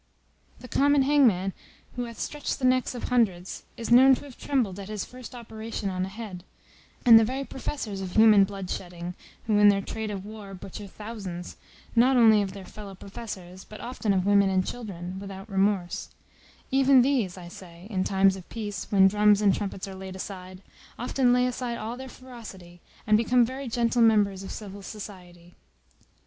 The common hangman, who hath stretched the necks of hundreds, is known to have trembled at his first operation on a head: and the very professors of human blood shedding, who, in their trade of war, butcher thousands, not only of their fellow professors, but often of women and children, without remorse; even these, I say, in times of peace, when drums and trumpets are laid aside, often lay aside all their ferocity, and become very gentle members of civil society.